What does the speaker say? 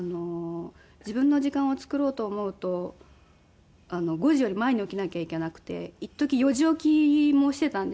自分の時間を作ろうと思うと５時より前に起きなきゃいけなくていっとき４時起きもしていたんですけど。